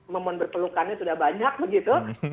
momen berpelukannya sudah banyak begitu